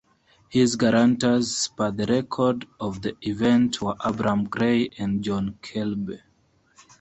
His guarantors, per the record of that event, were Abraham Gray and John Keble.